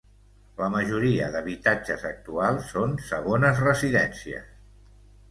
La majoria d'habitatges actuals són segones residències.